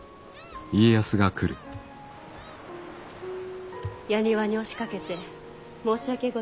やにわに押しかけて申し訳ございませぬ。